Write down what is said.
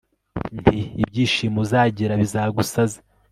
Nti ibyishimo uzagira bizagusaza